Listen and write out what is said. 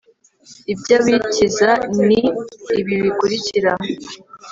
ibyabikiza ni ibi bikurikira